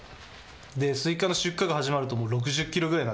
でスイカの出荷が始まるともう６０キロぐらいになっちょう。